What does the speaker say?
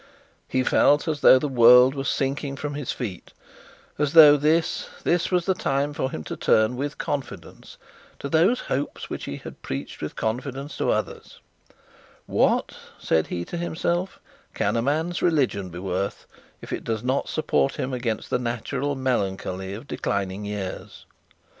He felt as though the world were sinking from his feet; as though this, this was the time for him to turn with confidence to others. 'What,' said he to himself, 'can a man's religion be worth, if it does not support him against the natural melancholy of declining years?'